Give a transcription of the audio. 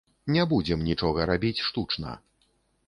Не будзем нічога рабіць штучна.